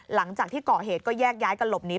หลังจากที่เกาะเหตุก็แยกย้ายกันหลบหนี